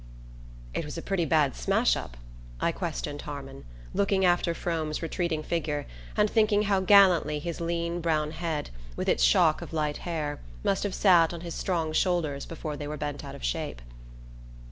"It was a pretty bad smash up?" I questioned Harmon, looking after Frome's retreating figure, and thinking how gallantly his lean brown head, with its shock of light hair, must have sat on his strong shoulders before they were bent out of shape.